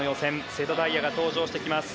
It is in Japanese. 瀬戸大也が登場してきます。